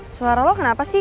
suara lo kenapa sih